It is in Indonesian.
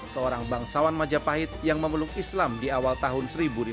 seorang bangsawan majapahit yang memeluk islam di awal tahun seribu lima ratus